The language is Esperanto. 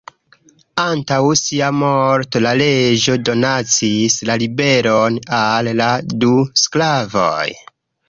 Antaŭ sia morto, la reĝo donacis la liberon al la du sklavoj.